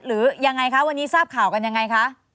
หรือยังไงคะวันนี้ทราบข่าวกันยังไงคะ